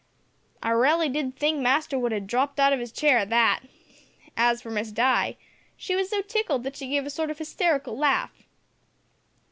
"I r'ally did think master would ha' dropt out of his chair at that. As for Miss Di, she was so tickled that she gave a sort of hysterical laugh.